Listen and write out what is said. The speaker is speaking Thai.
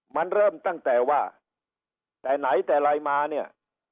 มันเริ่มตั้งแต่ว่าแต่ไหนแต่ไรมาเนี่ย